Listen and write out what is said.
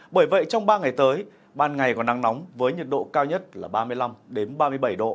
bởi vậy trong ba ngày tới ban ngày có nắng nóng với nhiệt độ cao nhất là ba mươi năm ba mươi bảy độ